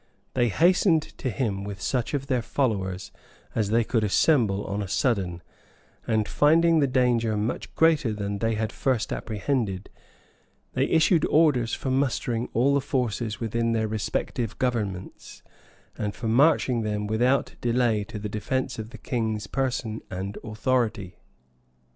They hastened to him with such of their followers as they could assemble on a sudden; and finding the danger much greater than they had at first apprehended, they issued orders for mustering all the forces within their respective governments, and for marching them without delay to the defence of the king's person and authority.